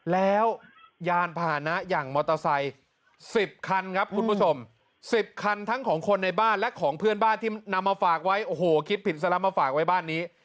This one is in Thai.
แล้วยานพาหนะอย่างมอเตอร์ไซค์๑๐คันครับคุณผู้ชม๑๐คันทั้งของคนในบ้านและของเพื่อนบ้านที่นำมาฝากไว้โอ้โหคิดผิดซะแล้วมาฝากไว้บ้านนี้